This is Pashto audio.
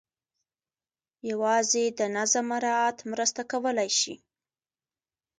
یوازې د نظم مراعات مرسته کولای شي.